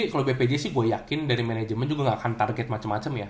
kalo bpj kalo bpj sih gua yakin dari manajemen juga ga akan target macem macem ya